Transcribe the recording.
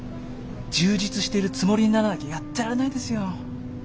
充実しているつもりにならなきゃやってられないですよ。